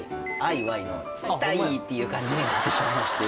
っていう感じになってしまいまして。